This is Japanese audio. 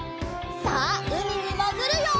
さあうみにもぐるよ！